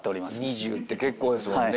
２０って結構ですもんね。